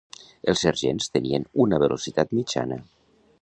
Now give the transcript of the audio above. Els sergents tenien una velocitat mitjana.